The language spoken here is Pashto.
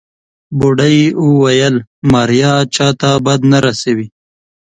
بوډۍ وويل ماريا چاته بد نه رسوي.